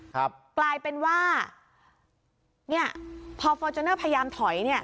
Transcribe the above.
กลายเป็นว่าพอฟอร์จูนเนอร์พยายามถอย